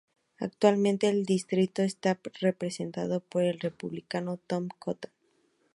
Actualmente el distrito está representado por el Republicano Tom Cotton.